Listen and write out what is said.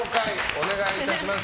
お願いいたします。